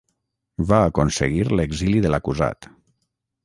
Va aconseguir l'exili de l'acusat.